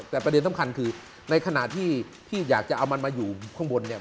แต่ประเด็นสำคัญคือในขณะที่พี่อยากจะเอามันมาอยู่ข้างบนเนี่ย